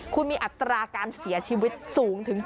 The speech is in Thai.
คุณมีอัตราการเสียชีวิตสูงถึง๗๐